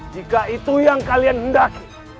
jika itu yang kalian hendak